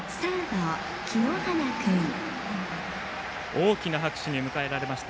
大きな拍手に迎えられました。